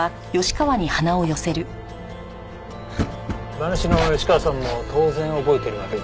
馬主の吉川さんも当然覚えてるわけですね。